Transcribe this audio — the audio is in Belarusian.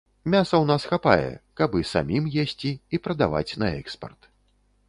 Мяса ў нас хапае, каб і самім есці, і прадаваць на экспарт.